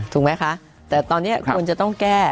ถูกไหมคะแต่ตอนนี้ควรจะต้องแก้